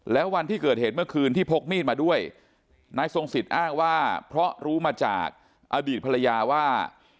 แล้ววันที่เกิดเหตุเมื่อคืนที่พกมีดมาด้วยนายทรงสิทธิ์อ้างว่าเพราะรู้มาจากอดีตภรรยาว่า